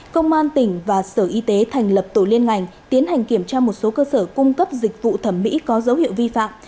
công an tỉnh và sở y tế thành lập tổ liên ngành tiến hành kiểm tra một số cơ sở cung cấp dịch vụ thẩm mỹ có dấu hiệu vi phạm